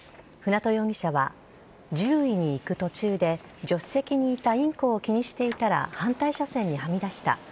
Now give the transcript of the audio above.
舟渡容疑者は、獣医に行く途中で、助手席にいたインコを気にしていたら、反対車線にはみ出した。